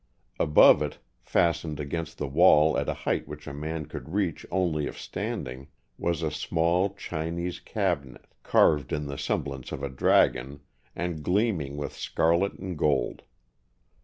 Above it, fastened against the wall at a height which a man could reach only if standing, was a small Chinese cabinet, carved in the semblance of a dragon, and gleaming with scarlet and gold.